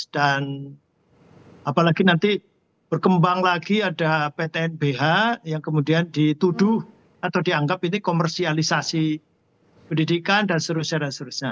dan apalagi nanti berkembang lagi ada ptnbh yang kemudian dituduh atau dianggap ini komersialisasi pendidikan dan sebagainya